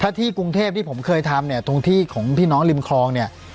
ถ้าที่กรุงเทพที่ผมเคยทำเนี่ยตรงที่ของพี่น้องริมคลองเนี่ย